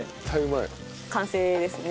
完成ですね。